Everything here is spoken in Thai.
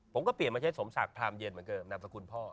ผมก็เปลี่ยนมาใช้สมศักดิ์พรามเย็นเหมือนเดิมนามสกุลพ่อ